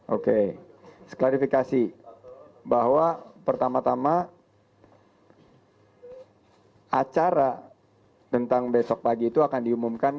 oke klarifikasi bahwa pertama tama acara tentang besok pagi itu akan diumumkan